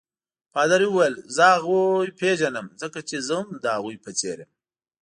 پادري وویل: زه هغوی پیژنم ځکه چې زه هم د هغوی په څېر یم.